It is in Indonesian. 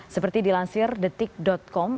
seperti dilansir detik com